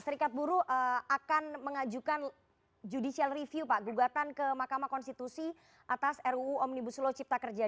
serikat buruh akan mengajukan judicial review pak gugatan ke mahkamah konstitusi atas ruu omnibus law cipta kerja